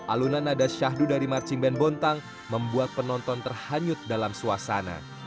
alunan nada syahdu dari marching band bontang membuat penonton terhanyut dalam suasana